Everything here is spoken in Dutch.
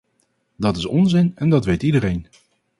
Dat is onzin en dat weet iedereen.